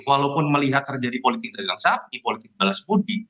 walaupun melihat terjadi politik dagang sapi politik balas budi